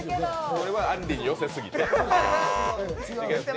それはあんりに寄せすぎ。